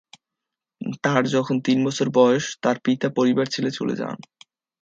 তার যখন তিন বছর বয়স, তার পিতা পরিবার ছেড়ে চলে যান।